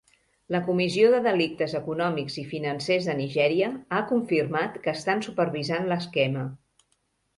La Comissió de Delictes Econòmics i Financers de Nigèria ha confirmat que estan supervisant l'esquema.